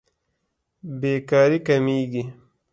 بېکاري کمېږي.